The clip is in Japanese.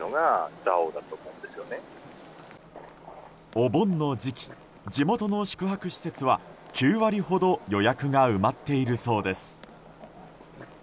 お盆の時期、地元の宿泊施設は９割ほど予約が埋まっているそうです。